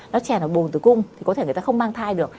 nó chèn vào bồn tử cung thì có thể người ta không mang thai được